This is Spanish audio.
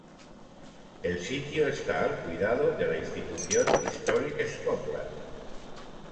El sitio está al cuidado de la institución Historic Scotland.